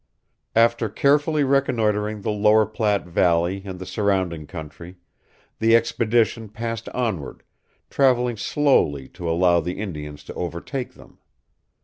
After carefully reconnoitring the lower Platte valley and the surrounding country, the expedition passed onward, traveling slowly to allow the Indians to overtake them.